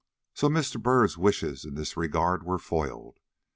So Mr. Byrd's wishes in this regard were foiled.